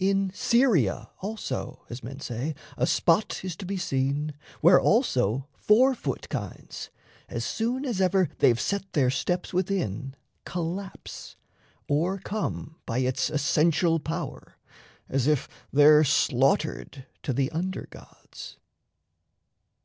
In Syria also as men say a spot Is to be seen, where also four foot kinds, As soon as ever they've set their steps within, Collapse, o'ercome by its essential power, As if there slaughtered to the under gods.